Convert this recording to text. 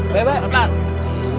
pelan pelan pelan pelan pelan pelan